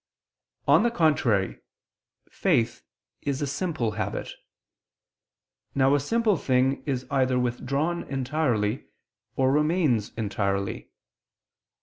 On the contrary, Faith is a simple habit. Now a simple thing is either withdrawn entirely, or remains entirely.